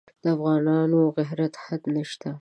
د افغان د غیرت حد نه شته.